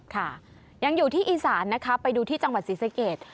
ค่ะยังอยู่ที่อีสานนะคะไปดูที่จังหวัดศรีสะเกด